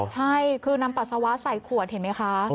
ใช่คือนำปัสสาวะใส่ขวดเห็นไหมคะ